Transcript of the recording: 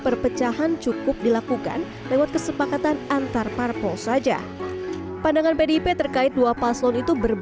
perpecahan cukup dilakukan lewat kesepakatan antarparpol saja pandangan pdip terkait dua paslon itu